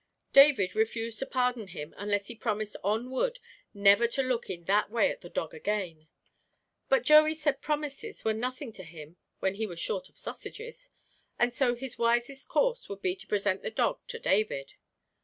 David refused to pardon him unless he promised on wood never to look in that way at the dog again, but Joey said promises were nothing to him when he was short of sausages, and so his wisest course would be to present the dog to David.